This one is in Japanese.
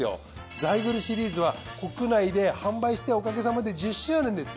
ザイグルシリーズは国内で販売しておかげさまで１０周年です。